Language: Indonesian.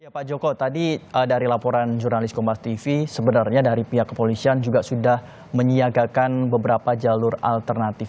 pak joko tadi dari laporan jurnalis komnas tv sebenarnya dari pihak kepolisian juga sudah menyiagakan beberapa jalur alternatif